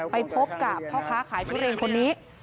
ไปพบกับพ่อค้าขายทุเรียนคนนี้